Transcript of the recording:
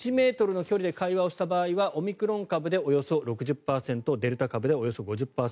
１ｍの距離で会話をした場合はオミクロン株でおよそ６０％デルタ株でおよそ５０％。